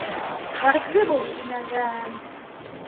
Бәхетле бул, тимәгән.